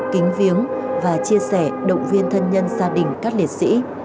kính viếng và chia sẻ động viên thân nhân gia đình các liệt sĩ